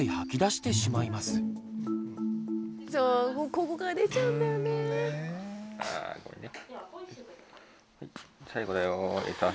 ここから出ちゃうんだよね。